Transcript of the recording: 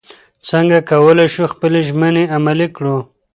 څنګه کولی شو خپلې ژمنې عملي کړو؟